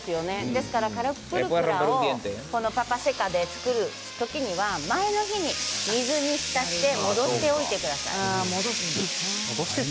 ですからカラプルクラをこのパパ・セカで作る時は前の日に水に浸して戻してください。